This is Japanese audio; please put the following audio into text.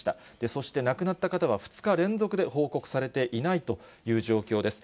そして亡くなった方は２日連続で報告されていないという状況です。